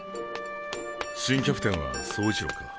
新キャプテンは走一郎か？